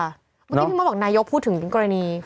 เมื่อกี้พี่มดบอกนายกพูดถึงกรณี